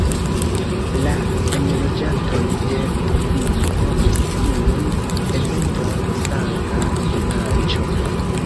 La enloĝantoj de Litovio nomis tiun eventon "Sanga Dimanĉo".